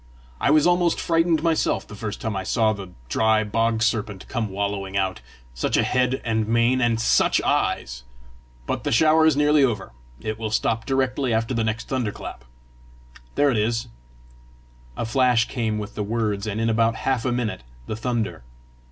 I was almost frightened myself the first time I saw the dry bog serpent come wallowing out such a head and mane! and SUCH eyes! but the shower is nearly over. It will stop directly after the next thunder clap. There it is!" A flash came with the words, and in about half a minute the thunder.